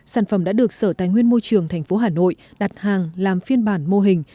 sản phẩm đã được sở tài nguyên môi trường tp hà nội đặt hàng làm phiên bản mô hình